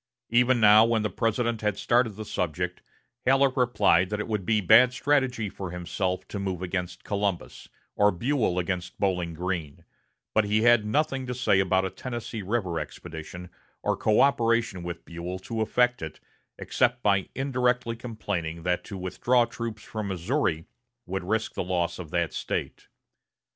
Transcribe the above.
Even now, when the President had started the subject, Halleck replied that it would be bad strategy for himself to move against Columbus, or Buell against Bowling Green; but he had nothing to say about a Tennessee River expedition, or coöperation with Buell to effect it, except by indirectly complaining that to withdraw troops from Missouri would risk the loss of that State.